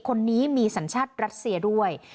คนนี้มีสัญชาติรัสเซียด้วย